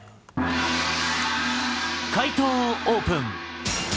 解答をオープン。